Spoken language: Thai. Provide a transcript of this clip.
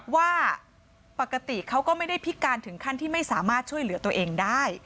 ว่าปกติเขาก็ไม่ได้พิการถึงขั้นที่ไม่สามารถช่วยเหลือตัวเองได้